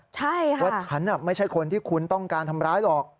ใช่ค่ะว่าฉันไม่ใช่คนที่คุณต้องการทำร้ายหรอก